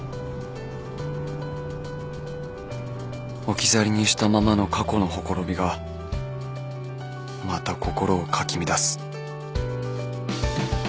置き去りにしたままの過去のほころびがまた心をかき乱す